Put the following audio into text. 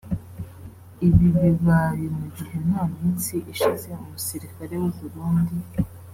Ibi bibaye mu gihe nta minsi ishize umusirikare w’u Burundi